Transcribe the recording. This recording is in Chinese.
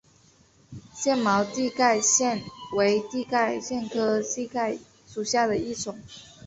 腺毛蹄盖蕨为蹄盖蕨科蹄盖蕨属下的一个种。